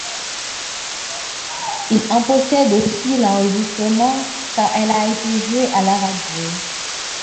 Il en possède aussi l'enregistrement, car elle a été jouée à la radio.